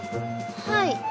はい。